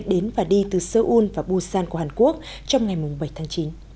đến và đi từ seoul và busan của hàn quốc trong ngày bảy tháng chín